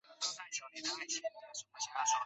国营林场是下辖的一个类似乡级单位。